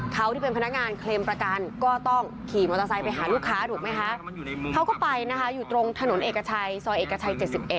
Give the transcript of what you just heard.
เขาก็ไปนะฮะอยู่ตรงถนนเอกชัยซอยเอกชัย๗๑